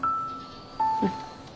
うん。